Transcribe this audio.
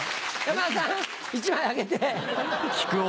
山田さん１枚あげて。